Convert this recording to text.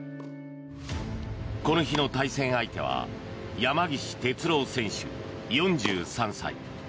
この日の対戦相手は山岸徹郎選手、４３歳。